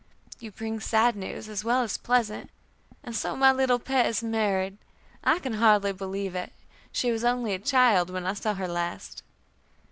You bring sad news as well as pleasant. And so my little pet is married? I can hardly believe it; she was only a child when I saw her last."